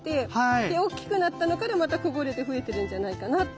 でおっきくなったのからまたこぼれて増えてるんじゃないかなと。